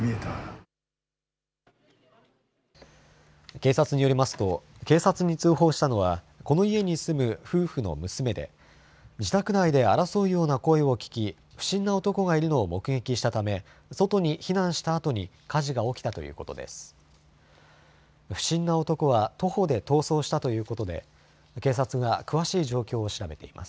警察によりますと、警察に通報したのはこの家に住む夫婦の娘で自宅内で争うような声を聞き、不審な男がいるのを目撃したため外に避難したあとに火事が起きたということです。